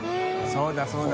そうだそうだ。